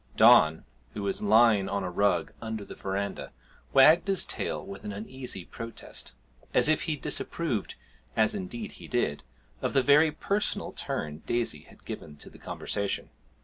Don, who was lying on a rug under the verandah, wagged his tail with an uneasy protest, as if he disapproved (as indeed he did) of the very personal turn Daisy had given to the conversation.